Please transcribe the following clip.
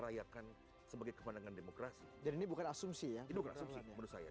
rayakan sebagai kemandangan demokrasi dan ini bukan asumsi yang tidak berhasil menurut saya